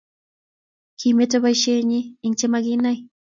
Kimeto boishet nyi eng che makinai